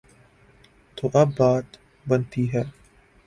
تو بات بنتی ہے۔